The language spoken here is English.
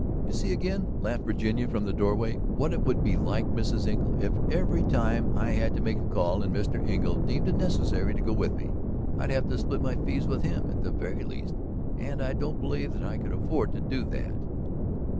"You see again," laughed Virginia from the doorway, "what it would be like, Mrs. Engle; if every time I had to make a call and Mr. Engle deemed it necessary to go with me ... I'd have to split my fees with him at the very least! And I don't believe that I could afford to do that."